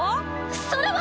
それは！